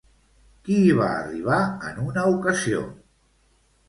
Qui hi va arribar en una ocasió?